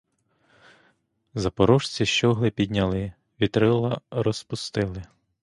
Запорожці щогли підняли, вітрила розпустили.